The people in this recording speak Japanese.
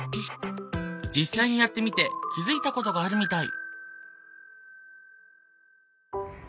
実際にやってみて気づいたことがあるみたい。